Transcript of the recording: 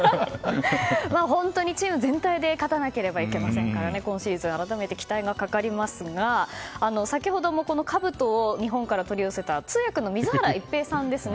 本当にチーム全体で勝たなければいけませんから今シーズンは改めて期待がかかりますが先ほどもかぶとを日本から取り寄せた通訳の水原一平さんですね。